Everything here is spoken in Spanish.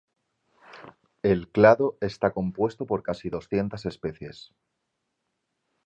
El clado está compuesto por casi doscientas especies.